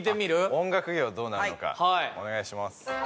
音楽業どうなるのかお願いします